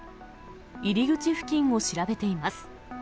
入り口付近を調べています。